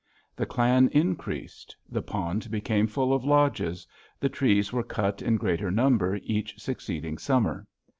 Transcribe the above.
The clan increased; the pond became full of lodges; the trees were cut in greater number each succeeding summer.